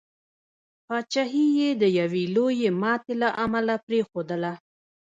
پاچهي یې د یوي لويي ماتي له امله پرېښودله.